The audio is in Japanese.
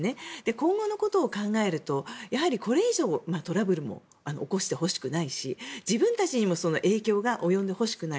今後のことを考えるとこれ以上トラブルも起こしてほしくないし自分たちにも影響が及んでほしくない。